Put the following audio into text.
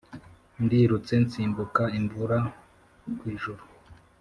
ndirutse nsimbuka imvura kw’ijuru,